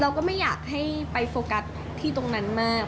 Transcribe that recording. ก็ไม่อยากให้ไปโฟกัสที่ตรงนั้นมาก